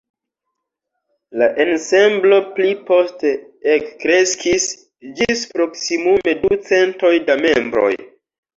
La ensemblo pli poste ekkreskis ĝis proksimume du centoj da membroj.